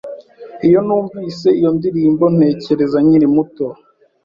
Iyo numvise iyo ndirimbo, ntekereza nkiri muto.